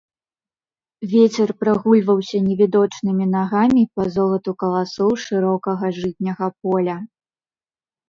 Вецер прагульваўся невідочнымі нагамі па золату каласоў шырокага жытняга поля.